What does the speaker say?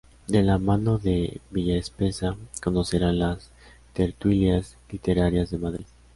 De la mano de Villaespesa, conocerá las tertulias literarias de Madrid.